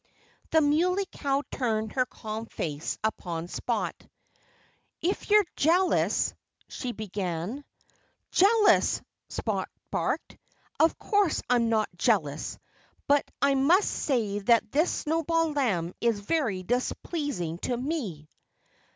The Muley Cow turned her calm face upon Spot. "If you're jealous " she began. "Jealous!" Spot barked. "Of course I'm not jealous. But I must say that this Snowball Lamb is very displeasing to me."